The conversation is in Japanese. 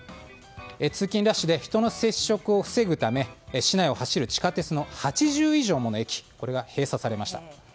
通勤ラッシュで人の接触を防ぐため市内を走る地下鉄の８０以上もの駅が閉鎖されました。